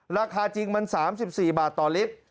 ราคาจริงมัน๓๔บาทต่อลิตร